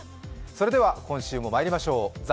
それでは今週もまいりましょう。